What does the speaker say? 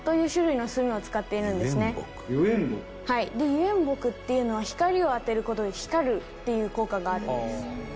油煙墨っていうのは光を当てる事で光るっていう効果があるんです。